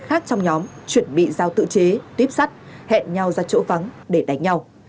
khác trong nhóm chuẩn bị giao tự chế tuyếp sắt hẹn nhau ra chỗ vắng để đánh nhau